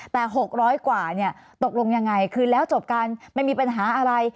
แต่๖๐๐กว่าตกลงยังไงคือแล้วจบกันไม่มีปัญหาอะไร